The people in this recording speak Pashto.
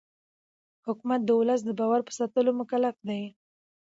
حکومت د ولس د باور په ساتلو مکلف دی